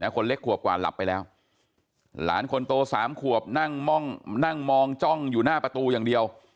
คนเล็กขวบกว่าหลับไปแล้วหลานคนโต๓ขวบนั่งมองจ้องอยู่หน้าประตูอย่างเดียว